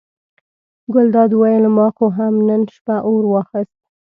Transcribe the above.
ګلداد وویل ما خو هم نن شپه اور واخیست.